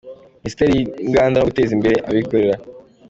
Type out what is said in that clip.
Minisiteri y’inganda no guteza imbere abikorera.